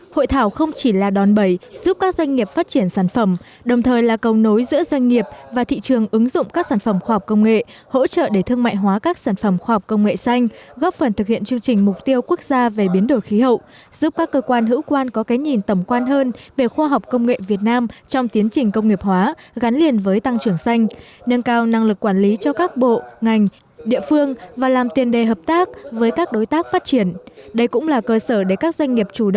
hội thảo không chỉ là đòn bẩy giúp các doanh nghiệp phát triển sản phẩm đồng thời là cầu nối giữa doanh nghiệp và thị trường ứng dụng các sản phẩm khoa học công nghệ hỗ trợ để thương mại hóa các sản phẩm khoa học công nghệ xanh góp phần thực hiện chương trình mục tiêu quốc gia về biến đổi khí hậu giúp các cơ quan hữu quan có cái nhìn tầm quan hơn về khoa học công nghệ việt nam trong tiến trình công nghiệp hóa gắn liền với tăng trưởng xanh nâng cao năng lực quản lý cho các bộ ngành địa phương và làm tiền đề hợp tác với các đối tác phát tri